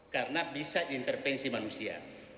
karena bisa diintervensi manusia